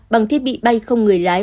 bằng thiết bị bay không người lái